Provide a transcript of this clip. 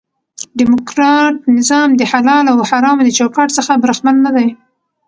ډیموکراټ نظام دحلالو او حرامو د چوکاټ څخه برخمن نه دي.